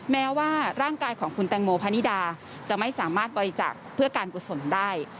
แม้ว่าร่างกายของคุณแตงโมพนิดาจะไม่สามารถบริจักษ์เพื่อการกุศลได้